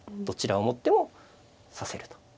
どちらを持っても指せると。